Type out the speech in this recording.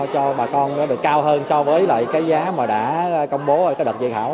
cho bà con được cao hơn so với lại cái giá mà đã công bố ở cái đợt dự thảo